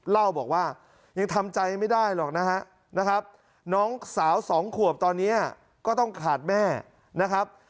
เล่าบอกว่ายังทำใจไม่ได้หรอกนะฮะน้องสาวสองขวบตอนนี้ก็ต้องขาดแม่นะครับ